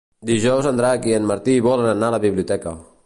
Dijous en Drac i en Martí volen anar a la biblioteca.